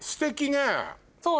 そう！